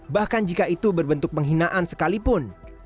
bahkan jika itu berbentuk penghinaan sekalipun